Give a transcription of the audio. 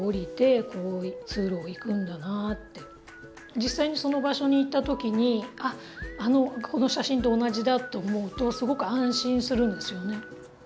実際にその場所に行った時に「あっこの写真と同じだ」って思うとすごく安心するんですよね。